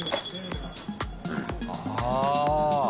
ああ。